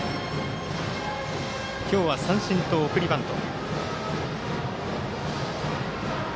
今日は三振と送りバント。